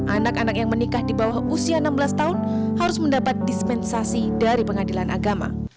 anak anak yang menikah di bawah usia enam belas tahun harus mendapat dispensasi dari pengadilan agama